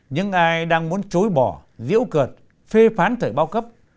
những ai đang muốn chối bỏ diễu cợt phê phán thời bao cấp